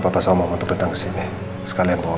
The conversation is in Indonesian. papa soma untuk datang kesini sekalian bawa